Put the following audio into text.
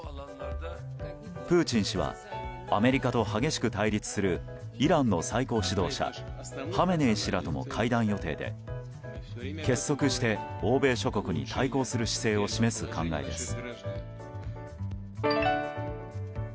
プーチン氏はアメリカと激しく対立するイランの最高指導者ハメネイ師らとも会談予定で結束して欧米諸国に対抗する姿勢を示す考えです。